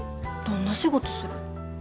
どんな仕事する？